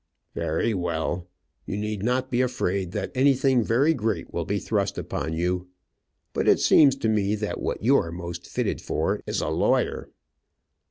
"Very well. You need not be afraid that anything very great will be thrust upon you. But it seems to me that what you are most fitted for is a lawyer."